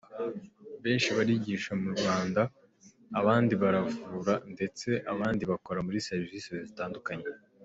Benshi barigisha Mu Rwanda, abandi baravura ndetse abandi bakora muri services zitandukanye.